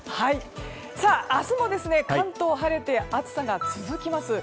明日も関東は晴れて暑さが続きます。